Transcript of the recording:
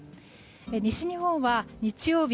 西日本は日曜日